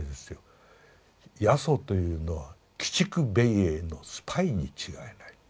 耶蘇というのは鬼畜米英のスパイに違いない。